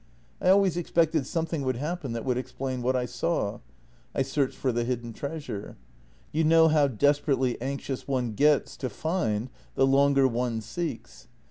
I always expected something would happen that would explain what I saw. I searched for the hidden treasure. You know how desperately anxious one gets to find the longer one seeks.